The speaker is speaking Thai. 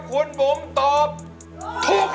คุณโหมตอบถูกครับ